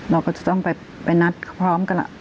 เราก็จะต้องไปนัดพร้อมกัน